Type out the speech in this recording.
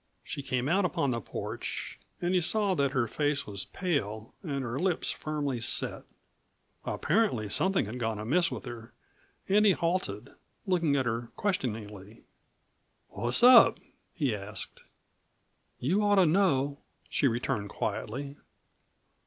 She came out upon the porch, and he saw that her face was pale and her lips firmly set. Apparently something had gone amiss with her and he halted, looking at her questioningly. "What's up?" he asked. "You ought to know," she returned quietly.